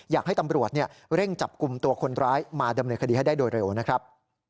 อยากให้ตำรวจเร่งจับกลุ่มตัวคนร้ายมาดำเนินคดีให้ได้โดยเร็วนะครับ